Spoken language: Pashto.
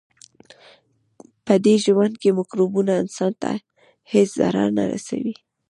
پدې ژوند کې مکروبونه انسان ته هیڅ ضرر نه رسوي.